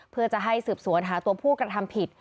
เพื่อจะให้สืบสวนหาตัวผู้กระทำผิด